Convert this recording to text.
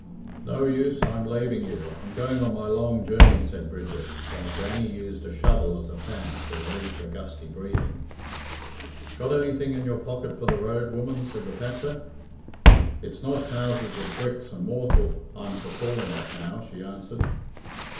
"No use; I'm laving you; I'm going on my long journey," said Bridget, while Granny used a shovel as a fan to relieve her gusty breathing. "Got anything in your pocket for the road, woman?" said the thatcher. "It's not houses of bricks and mortal I'm for calling at now," she answered.